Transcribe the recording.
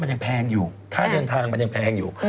แต่ซัโปรโรจริงค่าเดินทางยังแพงอยู่